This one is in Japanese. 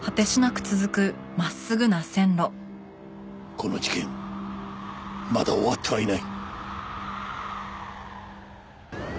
この事件まだ終わってはいない！